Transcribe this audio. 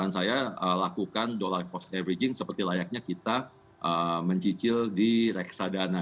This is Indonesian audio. saya lakukan dolar cost averaging seperti layaknya kita mencicil di reksadana